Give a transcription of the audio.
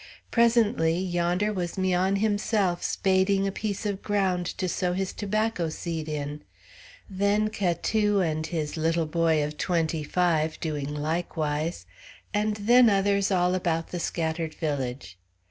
Presently yonder was 'Mian himself, spading a piece of ground to sow his tobacco seed in; then Catou and his little boy of twenty five doing likewise; and then others all about the scattered village.